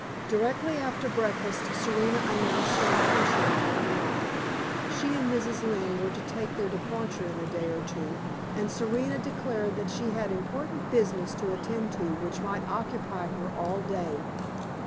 Directly after breakfast Serena announced her intention of going out. She and Mrs. Lynne were to take their departure in a day or two, and Serena declared that she had important business to attend to which might occupy her all day.